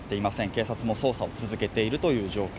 警察も捜査を続けているという状況。